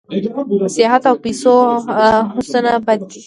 د سیاحت او پیسو هوسونه بد دي.